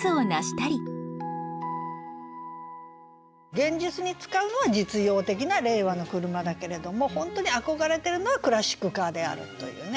現実に使うのは実用的な令和の車だけれども本当に憧れてるのはクラシックカーであるというね。